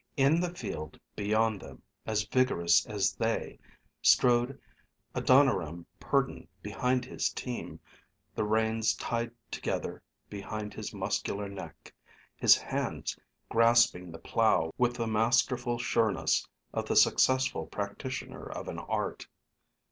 In the field beyond them, as vigorous as they, strode Adoniram Purdon behind his team, the reins tied together behind his muscular neck, his hands grasping the plow with the masterful sureness of the successful practitioner of an art.